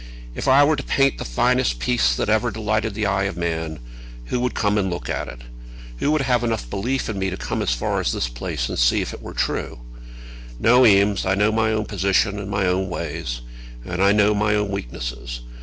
"If I were to paint the finest piece that ever delighted the eye of man, who would come and look at it? Who would have enough belief in me to come as far as this place and see if it were true? No, Eames; I know my own position and my own ways, and I know my own weakness.